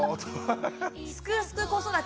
「すくすく子育て」